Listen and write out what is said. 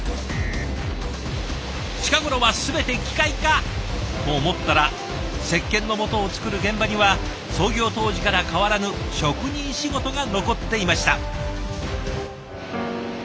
近頃は全て機械化と思ったら石鹸のもとを作る現場には創業当時から変わらぬ職人仕事が残っていました。